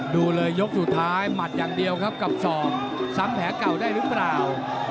ดูเลยยกสุดท้ายหมัดอย่างเดียวครับกับศอกซ้ำแผลเก่าได้หรือเปล่า